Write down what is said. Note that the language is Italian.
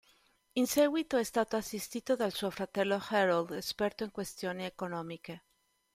In seguito è stato assistito da suo fratello Harold, esperto in questioni economiche.